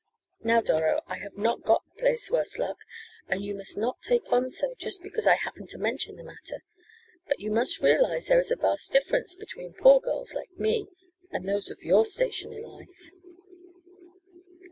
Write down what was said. "Now, Doro, I have not got the place, worse luck. And you must not take on so just because I happened to mention the matter. But you must realize there is a vast difference between poor girls like me, and those of your station in life!"